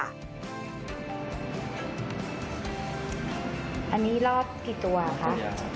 อันนี้รอดกี่ตัวคะ